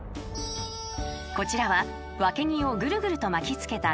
［こちらはワケギをぐるぐると巻きつけた］